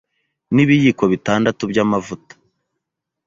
n’ibiyiko bitandatu by’amavuta